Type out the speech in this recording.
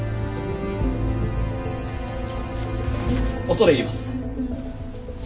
恐れ入ります。